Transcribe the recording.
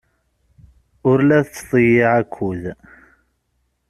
Ur la tettḍeyyiɛ akud.